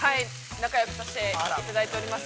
仲よくさせていただいております。